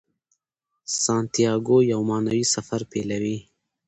سانتیاګو یو معنوي سفر پیلوي.